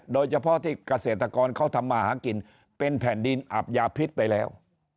โดยเฉพาะที่เกษตรกรเขาทำมาหากินเป็นแผ่นดินอับยาพิษไปแล้ว